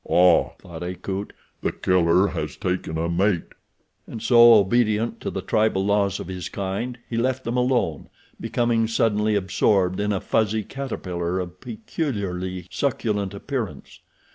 "Ah," thought Akut, "The Killer has taken a mate," and so, obedient to the tribal laws of his kind, he left them alone, becoming suddenly absorbed in a fuzzy caterpillar of peculiarly succulent appearance.